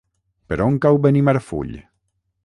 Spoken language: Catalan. Per on cau Benimarfull?